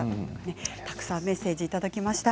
たくさんメッセージいただきました。